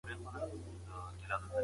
هیلوړۍ